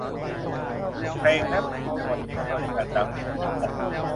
เพลงแร็พที่มีจังหวะอิเล็กทรอนิกส์อันดังเรียกว่าฮิปฮอป